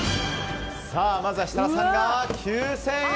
まずは設楽さんが９０００円。